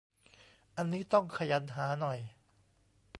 อันนี้ต้องขยันหาหน่อย